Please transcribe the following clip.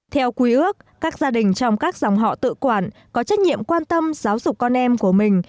theo quy ước các gia đình trong các dòng họ tự quản có trách nhiệm quan tâm giáo dục con em của mình